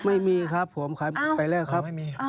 ไม่มีครับผมขายไปแล้วครับ